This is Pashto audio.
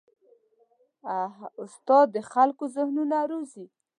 استاد د خلکو ذهنونه روزي.